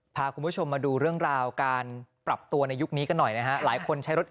พาคุณผู้ชมมาดูเรื่องราวการปรับตัวในยุคนี้กันหน่อยนะฮะหลายคนใช้รถ